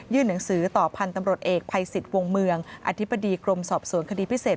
หนังสือต่อพันธุ์ตำรวจเอกภัยสิทธิ์วงเมืองอธิบดีกรมสอบสวนคดีพิเศษ